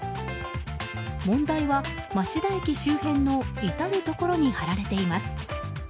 問題は、町田駅周辺の至るところに貼られています。